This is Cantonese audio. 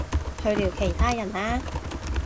去聊其他人啦